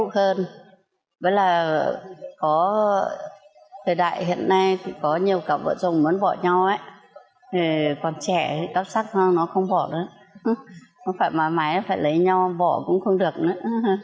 không phải mãi mãi phải lấy nhau bỏ cũng không được nữa